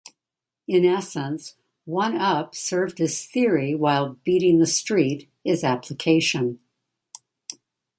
In essence, "One Up" served as theory while "Beating the Street" is application.